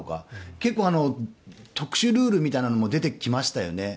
結構、特殊ルールみたいなのも出てきましたよね。